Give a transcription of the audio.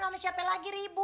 namanya siapa lagi ribut